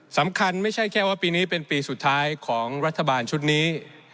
ไม่ใช่แค่ว่าปีนี้เป็นปีสุดท้ายของรัฐบาลชุดนี้